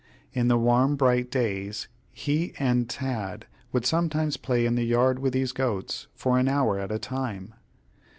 In the warm bright days, he and Tad would sometimes play in the yard with these goats, for an hour at a time.